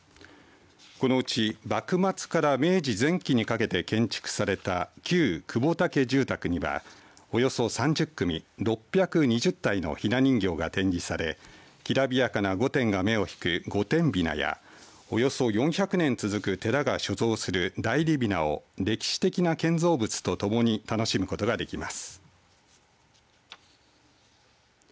このうち幕末から明治前期にかけて建築された旧久保田家住宅にはおよそ３０組６２０体のひな人形が展示されきらびやかな御殿が目を引く御殿びなやおよそ４００年続く寺が所蔵する内裏びなを歴史的な建造物とともに楽しむことができます。